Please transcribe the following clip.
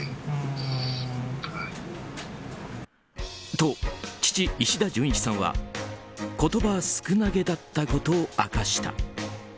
と、父・石田純一さんは言葉少なげだったことを明かした。